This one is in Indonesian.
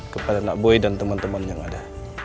kepada nak boy dan teman teman yang ada